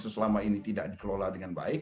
selama ini tidak dikelola dengan baik